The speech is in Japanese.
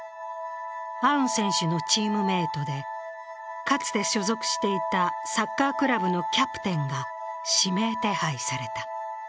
アウン選手のチームメイトでかつて所属していたサッカークラブのキャプテンが指名手配された。